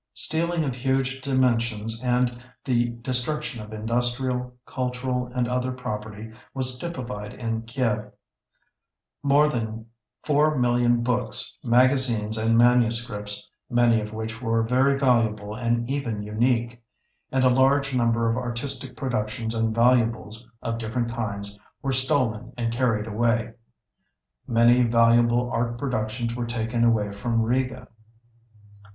Stealing of huge dimensions and the destruction of industrial, cultural, and other property was typified in Kiev. More than 4,000,000 books, magazines, and manuscripts (many of which were very valuable and even unique) and a large number of artistic productions and valuables of different kinds were stolen and carried away. Many valuable art productions were taken away from Riga.